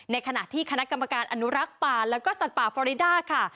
ขณะที่คณะกรรมการอนุรักษ์ป่าแล้วก็สัตว์ป่าฟอริดาค่ะ